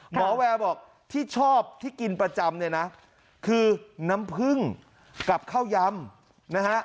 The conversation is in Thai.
แววบอกที่ชอบที่กินประจำเนี่ยนะคือน้ำผึ้งกับข้าวยำนะฮะ